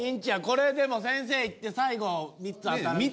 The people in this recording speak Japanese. これでも先生いって最後３つ当たらんと。